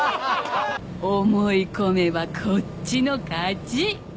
思い込めばこっちの勝ち！